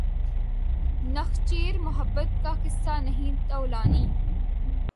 نخچیر محبت کا قصہ نہیں طولانی